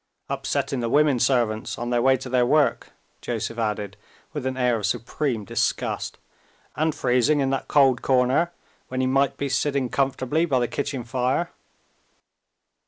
"Upsetting the women servants, on their way to their work," Joseph added, with an air of supreme disgust "and freezing in that cold corner, when he might be sitting comfortably by the kitchen fire!"